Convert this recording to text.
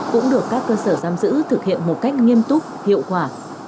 cũng được các cơ sở giam giữ thực hiện một cách nghiêm túc hiệu quả